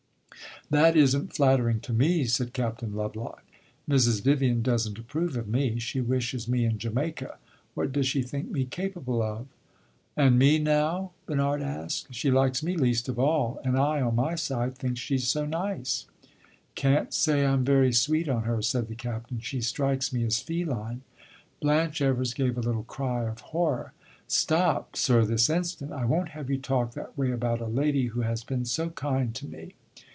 "That is n't flattering to me," said Captain Lovelock. "Mrs. Vivian does n't approve of me she wishes me in Jamaica. What does she think me capable of?" "And me, now?" Bernard asked. "She likes me least of all, and I, on my side, think she 's so nice." "Can't say I 'm very sweet on her," said the Captain. "She strikes me as feline." Blanche Evers gave a little cry of horror. "Stop, sir, this instant! I won't have you talk that way about a lady who has been so kind to me."